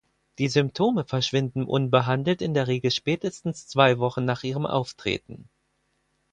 Die Symptome verschwinden unbehandelt in der Regel spätestens zwei Wochen nach ihrem Auftreten.